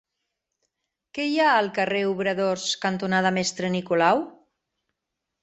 Què hi ha al carrer Obradors cantonada Mestre Nicolau?